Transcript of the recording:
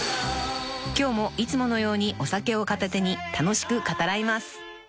［今日もいつものようにお酒を片手に楽しく語らいます］